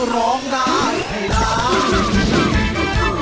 ร้องได้ให้ร้าน